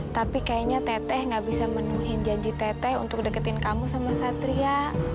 tapi kayaknya tete gak bisa menuhin janji tete untuk deketin kamu sama satria